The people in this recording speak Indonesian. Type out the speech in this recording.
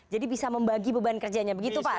jadi bisa membagi beban kerjanya begitu pak